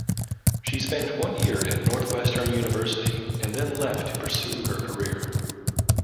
She spent one year at Northwestern University and then left to pursue her career.